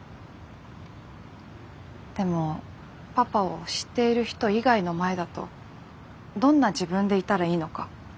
でもパパを知っている人以外の前だとどんな自分でいたらいいのか。